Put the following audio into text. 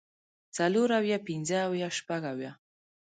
څلور اويه پنځۀ اويه شپږ اويه